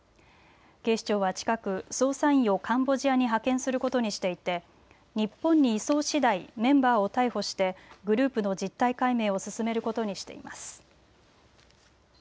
警視庁は近く捜査員をカンボジアに派遣することにしていて日本に移送しだいメンバーを逮捕してグループの実態解明を進めることにしています。